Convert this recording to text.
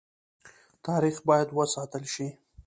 تاریخ باید وساتل شي